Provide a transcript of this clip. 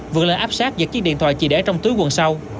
vượt lên áp sát giật chiếc điện thoại chỉ để trong túi quần sau